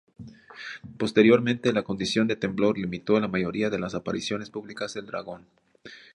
Posteriormente, la condición de temblor limitó la mayoría de las apariciones públicas del Dragon.